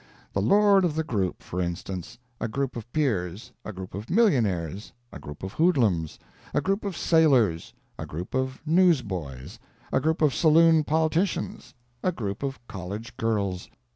The lord of the group, for instance: a group of peers, a group of millionaires, a group of hoodlums, a group of sailors, a group of newsboys, a group of saloon politicians, a group of college girls.